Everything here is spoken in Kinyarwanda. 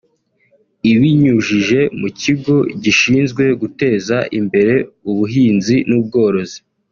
Ibinyujije mu kigo gishinzwe guteza imbere ubuhinzi n’ubworozi